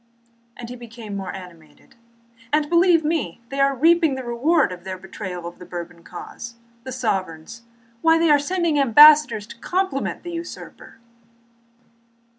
and he became more animated. "And believe me, they are reaping the reward of their betrayal of the Bourbon cause. The sovereigns! Why, they are sending ambassadors to compliment the usurper."